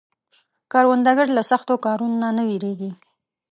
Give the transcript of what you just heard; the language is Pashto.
کروندګر له سختو کارونو نه نه ویریږي